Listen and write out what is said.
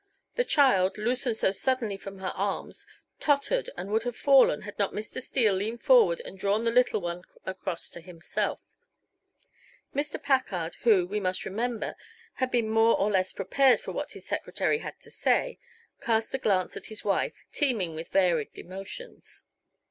The child, loosened so suddenly from her arms, tottered and would have fallen, had not Mr. Steele leaned forward and drawn the little one across to himself. Mr. Packard, who, we must remember, had been more or less prepared for what his secretary had to say, cast a glance at his wife, teeming with varied emotions.